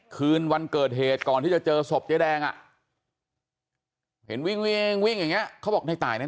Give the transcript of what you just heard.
คืนวันเกิดเหตุก่อนที่จะเจอศพเจ๊แดงอ่ะเห็นวิ่งวิ่งอย่างนี้เขาบอกในตายนั้น